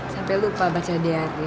selamat berbelanja dan terima kasih